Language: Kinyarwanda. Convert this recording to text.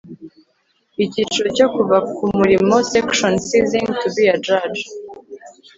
Icyiciro cya Kuva ku murimo Section Ceasing to be a judge